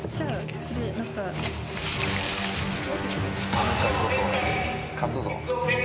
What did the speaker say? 今回こそは勝つぞ。